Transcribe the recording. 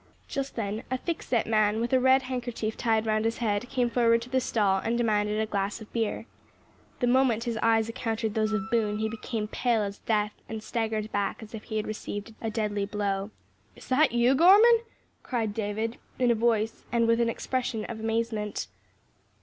Just then a thickset man with a red handkerchief tied round his head came forward to the stall and demanded a glass of beer. The moment his eyes encountered those of Boone he became pale as death and staggered back as if he had received a deadly blow. "Is that you, Gorman?" cried David, in a voice and with an expression of amazement.